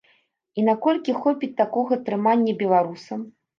І наколькі хопіць такога трымання беларусам?